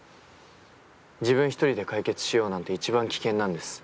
自分一人で解決しようなんて一番危険なんです。